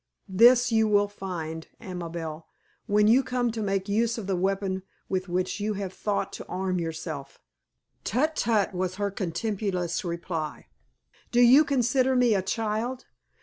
This you will find, Amabel, when you come to make use of the weapon with which you have thought to arm yourself." "Tut, tut!" was her contemptuous reply. "Do you consider me a child?